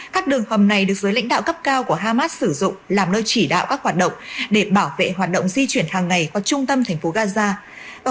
các đường hầm này được dưới lãnh đạo cấp cao của hamas sử dụng làm nơi chỉ đạo các hoạt động để bảo vệ hoạt động di chuyển hàng ngày qua trung tâm thành phố gaza